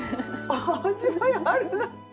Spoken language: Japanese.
味わいある！